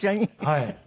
はい。